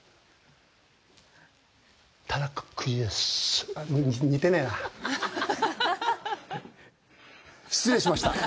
田中邦衛ですあ、似てねえな。失礼しました。